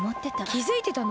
きづいてたの？